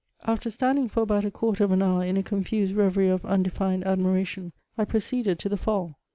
After standing for about a quarter of an hour in a confused ^reverie of undeHned admiration, I proceeded to the Fall.